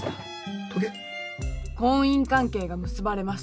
婚姻関係が結ばれました。